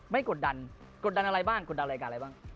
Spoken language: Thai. กดดันกดดันอะไรบ้างกดดันรายการอะไรบ้าง